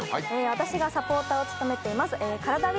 私がサポーターを務めていますカラダ